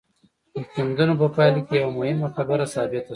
د کيندنو په پايله کې يوه مهمه خبره ثابته شوه.